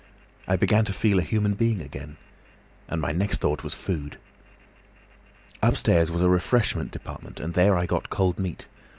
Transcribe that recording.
I began to feel a human being again, and my next thought was food. "Upstairs was a refreshment department, and there I got cold meat.